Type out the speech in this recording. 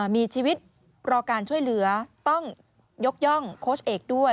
มีชีวิตรอการช่วยเหลือต้องยกย่องโค้ชเอกด้วย